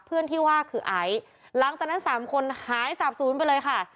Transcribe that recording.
เพื่อนที่ว่าคือไอซ์หลังจากนั้นสามคนหายสาบศูนย์ไปเลยค่ะ